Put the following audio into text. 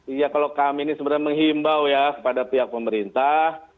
iya kalau kami ini sebenarnya menghimbau ya kepada pihak pemerintah